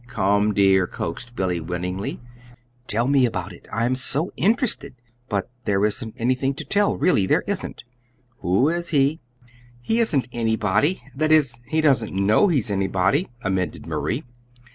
"Come, dear," coaxed Billy, winningly. "Tell me about it. I'm so interested!" "But there isn't anything to tell really there isn't." "Who is he?" "He isn't anybody that is, he doesn't know he's anybody," amended Marie.